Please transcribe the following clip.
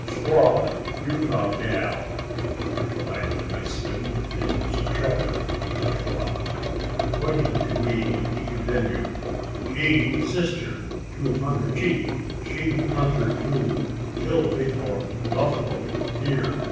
"Squaw Utah gal," replied the Mexican in his trapper patois. Pointing to me, he continued: "She sister to hunter chief she hunter too kill bighorn, buffalo, deer.